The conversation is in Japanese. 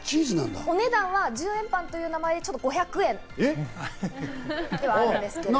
お値段は１０円パンという名前ですが５００円ではあるんですけど。